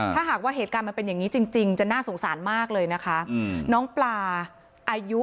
ถ้าหากว่าเหตุการณ์ก็จริงจะน่าสงสารมากเลยนะคะน้องปลาอายุ